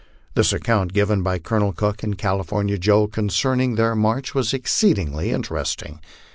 The account given by Colonel Cook and California Joe concerning their march was exceedingly interesting.